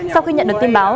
sau khi nhận được tin báo